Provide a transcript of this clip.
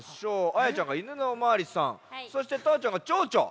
あやちゃんが「犬のおまわりさん」そしてたーちゃんが「ちょうちょ」。